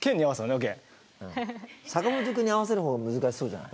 オッケー坂本君に合わせる方が難しそうじゃない？